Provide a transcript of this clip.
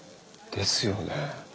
ですよね。